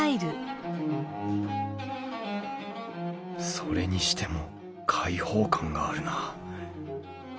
それにしても開放感があるなあ。